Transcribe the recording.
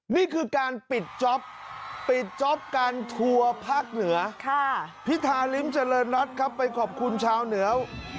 นี่คือการปิดจ๊อปปิดจ๊อปการทัวร์ภาคเหนือพิธาริมเจริญรัฐครับไปขอบคุณชาวเหนือ